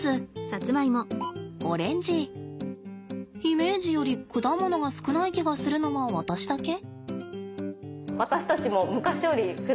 イメージより果物が少ない気がするのは私だけ？